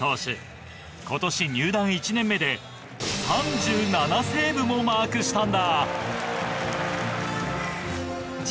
今年入団１年目で３７セーブもマークしたんだ。